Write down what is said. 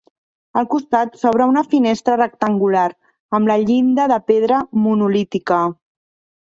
Al costat s'obre una finestra rectangular, amb la llinda de pedra monolítica.